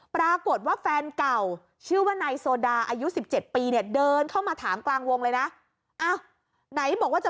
ปรากฏว่าแฟนเก่าชื่อว่านายโซดาอายุ๑๗ปีเนี่ยเดินเข้ามาถามกลางวงเลยนะอ้าวไหนบอกว่าจะ